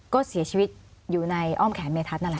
ก็เสียชีวิตอยู่ในอ้อมแขนเมทัศน์นั่นแหละ